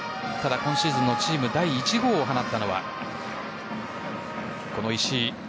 ただ今シーズンのチーム第１号を放ったのはこの石井。